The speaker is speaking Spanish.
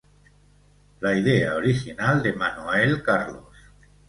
La idea original de Manoel Carlos.